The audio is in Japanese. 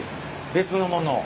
別のものを？